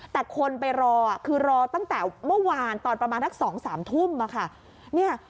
แต่คนไปรอคือรอตั้งแต่เมื่อวานตอนประมาณสัก๒๓ทุ่มค่ะ